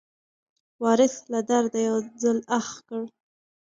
وارث له درده یو ځل اخ کړ.